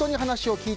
聞いて！